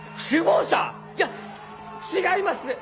いや違います！